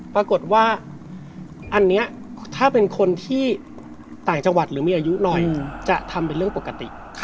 ปรากฏว่าอันนี้ถ้าเป็นคนที่ต่างจังหวัดหรือมีอายุหน่อยจะทำเป็นเรื่องปกติ